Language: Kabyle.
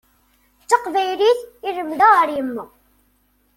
D taqbaylit i lemdeɣ ar yemma.